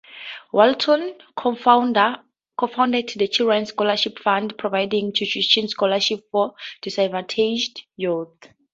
Walton cofounded the Children's Scholarship Fund, providing tuition scholarships for disadvantaged youth.